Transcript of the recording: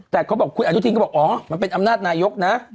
แต่เขาบอกคุณอนุทินก็บอกอ๋อมันเป็นอำนาจนายกนะ